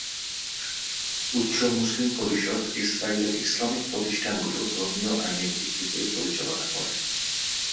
উচ্চ মুসলিম পরিষদ ইসরায়েলের ইসলামিক প্রতিষ্ঠানগুলো ধর্মীয় আইনের ভিত্তিতে পরিচালনা করে।